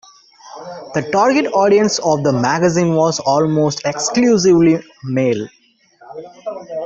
The target audience of the magazine was almost exclusively male.